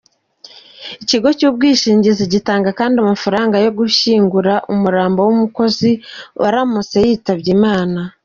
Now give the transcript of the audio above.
Ikigo cy’ubwishingizi gitanga kandi amafaranga yo gushyingura umurambo w’umukozi aramutse yitabye Imana.